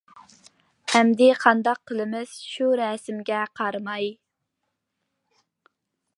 ئەمدى قاداق قىلارمىز، شۇ رەسىمگە قارىماي.